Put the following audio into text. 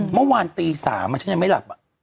เมื่อวานตี๓ฉันยังไม่หลับ